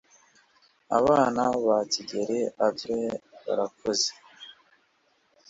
abana ba kigeli abyiruye barakuze